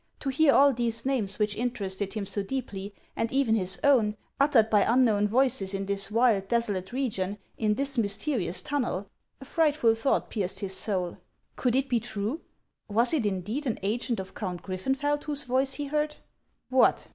To hear all these names which interested him so deeply, and even his own, uttered by unknown voices in this wild, desolate region, in this mysterious tunnel '. A frightful thought pierced his soul Could it be true ? Was it indeed an agent of Count Griffenfeld whose voice he heard ? What